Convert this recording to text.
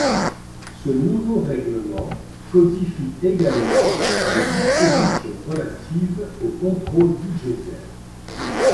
Ce nouveau règlement codifie également les dispositions relatives au contrôle budgétaire.